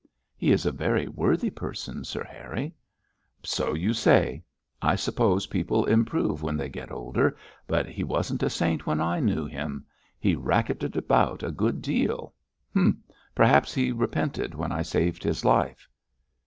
'He is a very worthy person, Sir Harry!' 'So you say. I suppose people improve when they get older, but he wasn't a saint when I knew him. He racketed about a good deal. Humph! perhaps he repented when I saved his life.'